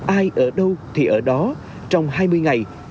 ai ở đâu thì ở đó trong hai mươi ngày